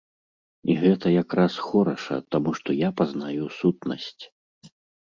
І гэта якраз хораша, таму што я пазнаю сутнасць.